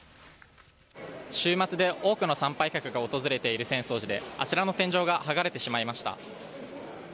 週末で多くの参拝客が訪れている浅草寺であちらの天井が剥がれてしまいました。